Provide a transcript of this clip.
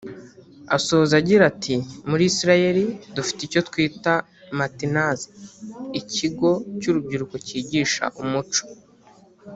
Asoza agira ati “Muri Israel dufite icyo twita “Matnas” (Ikigo cy’urubyiruko cyigisha umuco